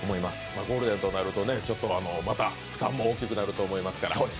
ゴールデンとなるとちょっとまた負担も大きくなると思いますが。